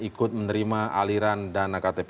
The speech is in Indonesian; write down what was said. ikut menerima aliran dana ktp